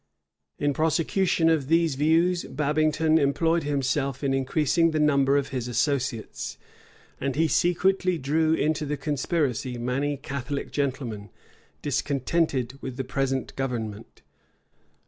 In prosecution of these views, Babington employed himself in increasing the number of his associates; and he secretly drew into the conspiracy many Catholic gentlemen, discontented with the present government.